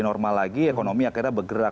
normal lagi ekonomi akhirnya bergerak